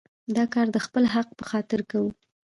دا کار د خپل حق په خاطر کوو.